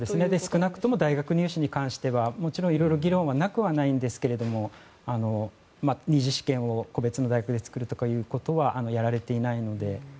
少なくとも大学入試に関してはもちろん、いろいろ議論がないわけではないんですが２次試験を個別の大学で作るということはやられていません。